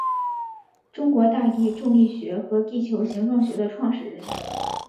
中国大地重力学和地球形状学的创始人。